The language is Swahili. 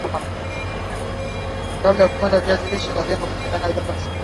kabla ya kupada viazi lishe ni vyema kuchanganya udongo na samadi